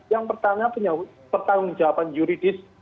yang pertama pertanyaan jawaban juridis